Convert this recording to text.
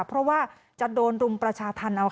เพราะว่าจะโดนดุมประชาธนรรค์